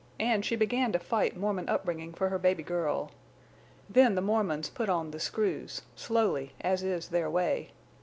And she began to fight Mormon upbringing for her baby girl. Then the Mormons put on the screws—slowly, as is their way.